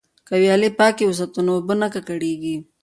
که ویالې پاکې وساتو نو اوبه نه ککړیږي.